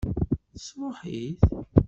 Tesṛuḥ-it?